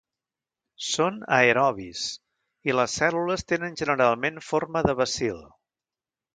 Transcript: Són aerobis i les cèl·lules tenen generalment forma de bacil.